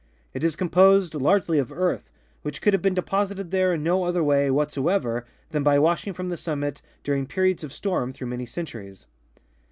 It is com posed largely of earth, which could have been deposited there in no other way whatsoever than by washing from the summit during periods of storm through many centuries.